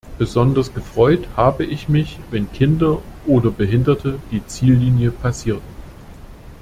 Besonders gefreut habe ich mich, wenn Kinder oder Behinderte die Ziellinie passierten.